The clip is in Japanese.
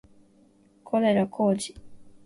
小寺浩二